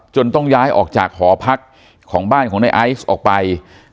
ต้องย้ายออกจากหอพักของบ้านของในไอซ์ออกไป